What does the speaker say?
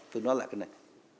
tôi nói lại cái này